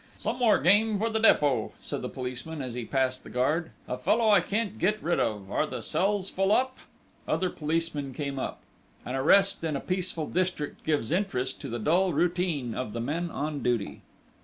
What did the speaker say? "Some more game for the Dépôt!" said the policeman as he passed the guard.... "A fellow I can't get rid of! Are the cells full up?" Other policemen came up. An arrest in a peaceful district gives interest to the dull routine of the men on duty.